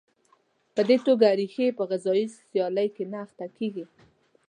په دې توګه ریښې په غذایي سیالۍ کې نه اخته کېږي.